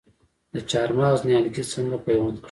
د چهارمغز نیالګي څنګه پیوند کړم؟